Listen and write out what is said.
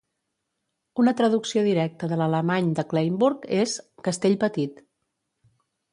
Una traducció directa de l'alemany de Kleinburg és "castell petit".